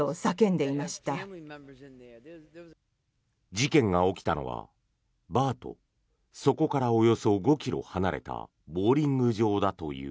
事件が起きたのはバーとそこからおよそ５ｋｍ離れたボウリング場だという。